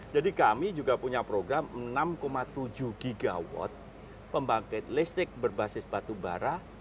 jadi kami juga punya program enam tujuh gigawatt pembangkit listrik berbasis batubara